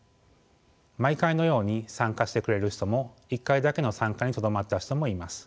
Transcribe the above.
毎回のように参加してくれる人も１回だけの参加にとどまった人もいます。